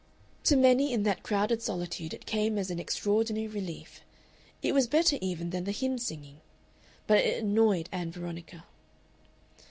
To many in that crowded solitude it came as an extraordinary relief. It was better even than the hymn singing. But it annoyed Ann Veronica.